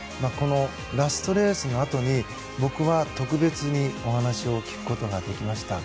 ラストレースのあとに僕は特別にお話を聞くことができました。